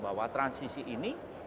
bahwa transisi ini